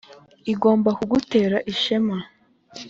igomba kugutera ishema.